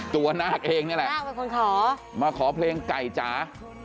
นาคเองนี่แหละนาคเป็นคนขอมาขอเพลงไก่จ๋า